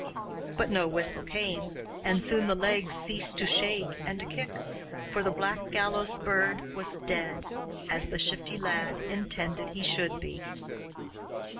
But no whistle came, and soon the legs ceased to shake and to kick, for the Black Gallows Bird was dead, as the Shifty Lad intended he should be.